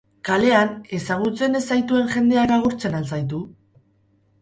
Kalean, ezagutzen ez zaituen jendeak agurtzen al zaitu?